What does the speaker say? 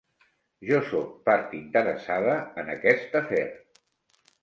Jo soc part interessada en aquest afer.